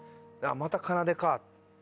また『奏』か。